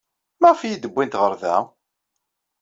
Maɣef ay iyi-d-wwint ɣer da?